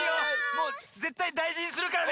もうぜったいだいじにするからね。